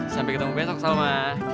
sampai ketemu besok salma